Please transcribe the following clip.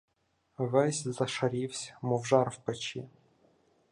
Ввесь зашарівсь, мов жар в печі.